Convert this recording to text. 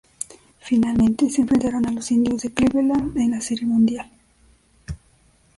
Finalmente se enfrentaron a los Indios de Cleveland en la Serie Mundial.